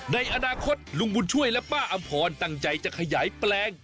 ในอนาคตลุงบุญช่วยและป้าอำพรตั้งใจจะขยายแปลง